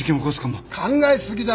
考え過ぎだろ。